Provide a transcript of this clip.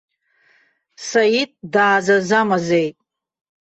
Саид даазазамазеит.